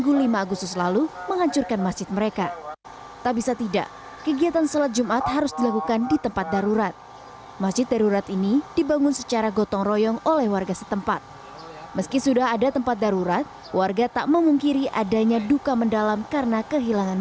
jumat sepuluh agustus adalah jumat pertama bagi warga desa lading lading